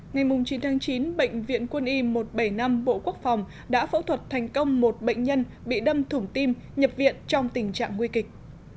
ngày chín chín bệnh viện quân y một trăm bảy mươi năm bộ quốc phòng đã phẫu thuật thành công một bệnh nhân bị đâm thủng tim nhập viện trong tình trạng nguy kịch